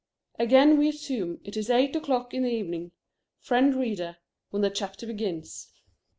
Again we assume it is eight o'clock in the evening, friend reader, when the chapter begins.